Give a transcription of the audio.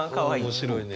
面白いね。